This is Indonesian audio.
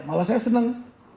malah saya senang